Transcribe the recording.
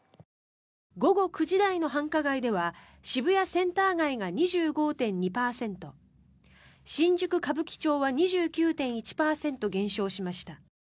午後９時台の繁華街では渋谷センター街が２５．２％新宿・歌舞伎町は２９．１％減少しました。